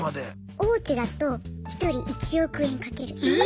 大手だと１人１億円かけるって。